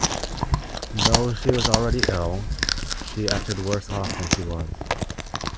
Though she was already ill, she acted worse off than she was.